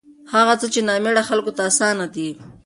هغه څخه چې نامېړه خلکو ته اسان دي